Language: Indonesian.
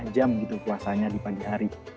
dua jam gitu puasanya di pagi hari